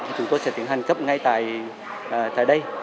thì chúng tôi sẽ tiến hành cấp ngay tại đây